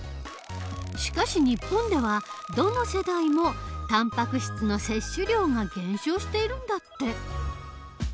しかし日本ではどの世代もたんぱく質の摂取量が減少しているんだって。